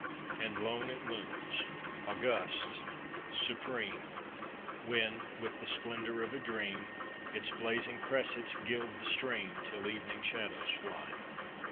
And lone it looms, august, supreme, When, with the splendor of a dream, Its blazing cressets gild the stream Till evening shadows fly.